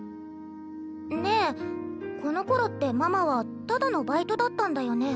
ねえこのころってママはただのバイトだったんだよね？